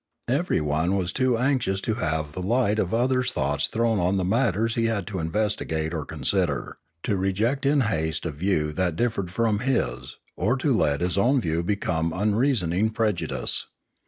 Everyone was too anxious to have the light of others' thoughts thrown on the matters he had to investigate or consider, to reject in haste a view that differed from his, or to let his own view become unreasoning prejudice.